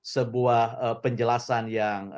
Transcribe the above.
sebuah penjelasan yang